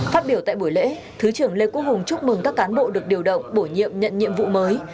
phát biểu tại buổi lễ thứ trưởng lê quốc hùng chúc mừng các cán bộ được điều động bổ nhiệm nhận nhiệm vụ mới